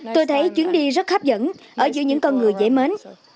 tôi thấy chuyến đi rất hấp dẫn ở giữa những con người dễ mến